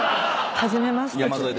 初めまして。